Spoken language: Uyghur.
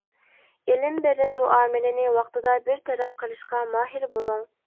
ئېلىم-بېرىم مۇئامىلىنى ۋاقتىدا بىر تەرەپ قىلىشقا ماھىر بولۇڭ.